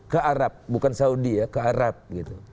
ke arab bukan saudi ya ke arab gitu